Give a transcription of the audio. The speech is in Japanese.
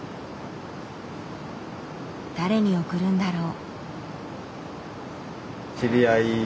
誰に送るんだろう。